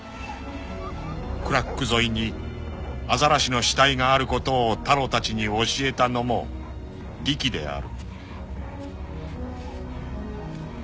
［クラック沿いにアザラシの死体があることをタロたちに教えたのもリキである］